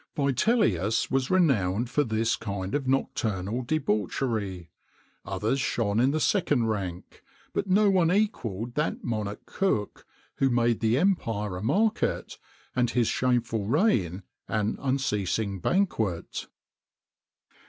Vitellius was renowned for this kind of nocturnal debauchery;[XXIX 72] others shone in the second rank, but no one equalled that monarch cook, who made the empire a market, and his shameful reign an unceasing banquet.